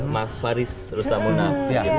mas faris rustamunab gitu